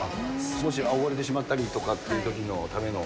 少し溺れてしまったりとかというときのための。